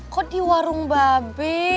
kok di warung babi